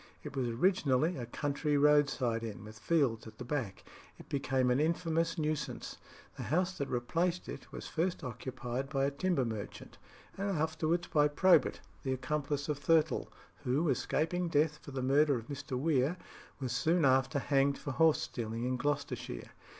It was originally a country roadside inn, with fields at the back. It became an infamous nuisance. The house that replaced it was first occupied by a timber merchant, and afterwards by Probert, the accomplice of Thurtell, who, escaping death for the murder of Mr. Weare, was soon after hanged for horse stealing in Gloucestershire.